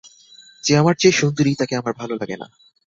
যে আমার চেয়ে সুন্দরী, তাকে আমার ভালো লাগে না।